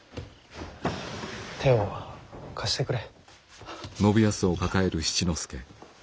手を貸してくれ。